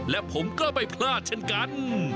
และผมก็ไม่พลาดเช่นกัน